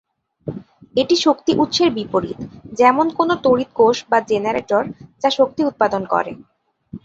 এটি শক্তি উৎসের বিপরীত, যেমন কোনো তড়িৎ কোষ বা জেনারেটর, যা শক্তি উৎপাদন করে।